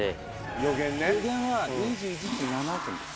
予言は２１時７分です。